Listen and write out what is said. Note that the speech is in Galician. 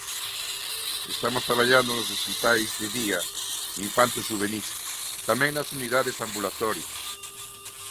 Estamos traballando nos hospitais de día infanto-xuvenís, tamén nas unidades ambulatorias.